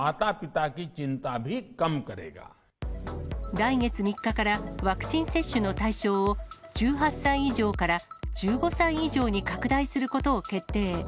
来月３日からワクチン接種の対象を、１８歳以上から１５歳以上に拡大することを決定。